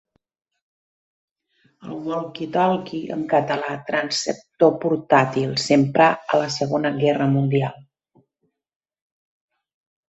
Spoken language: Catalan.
El walkie-talkie, en català "transceptor portàtil", s'emprà a la Segona Guerra Mundial.